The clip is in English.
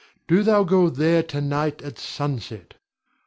Do thou go there to night at sunset.